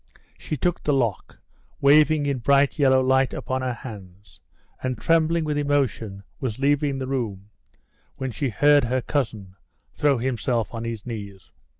She took the lock, waving in yellow light upon her hands, and, trembling with emotion, was leaving the room, when she heard her cousin throw himself on his knees.